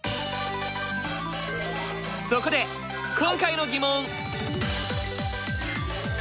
そこで今回の疑問！